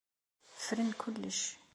Fren kullec.